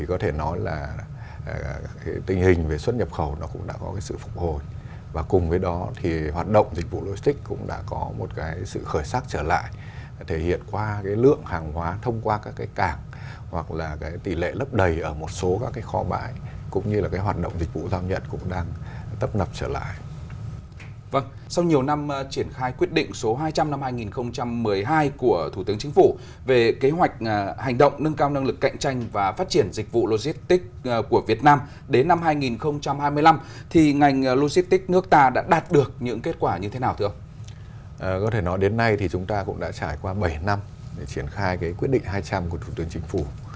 chúng ta cũng đã trải qua bảy năm để triển khai quyết định hai trăm linh của thủ tướng chính phủ